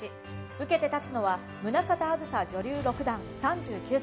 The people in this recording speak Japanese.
受けて立つのは宗形あずさ女流六段３９歳です。